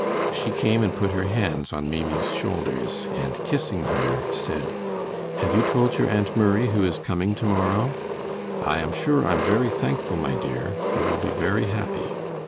She came and put her hands on Maimie's shoulders, and kissing her, said: "Have you told your Aunt Murray who is coming to morrow? I am sure I'm very thankful, my dear, you will be very happy.